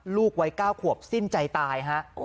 ลูกไว้ก้าวขวบสิ้นใจตาย